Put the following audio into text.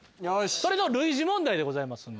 それの類似問題でございます。